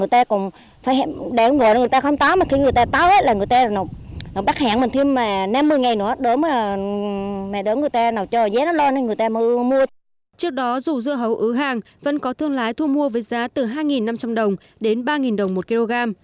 trước đó dù dưa hấu ứ hàng vẫn có thương lái thu mua với giá từ hai năm trăm linh đồng đến ba đồng một kg